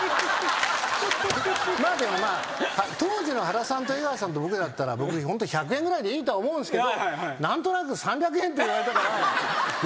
まあでも当時の原さんと江川さんと僕だったらホント１００円ぐらいでいいとは思うんですけど何となく３００円って言われたから。